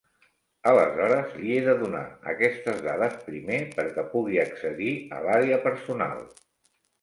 Aleshores li he de donar aquestes dades primer perquè pugui accedir a l'àrea personal.